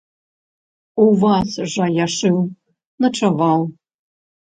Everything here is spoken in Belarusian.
У вас жа я шыў, начаваў.!